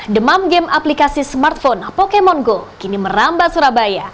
demam game aplikasi smartphone pokemon go kini merambah surabaya